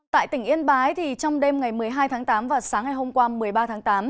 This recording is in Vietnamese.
tại tỉnh yên bái trong đêm ngày một mươi hai tháng tám và sáng ngày hôm qua một mươi ba tháng tám